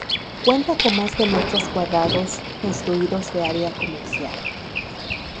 Cuenta con más de metros cuadrados construidos de área comercial.